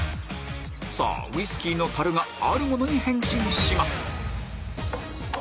さぁウイスキーの樽があるものに変身します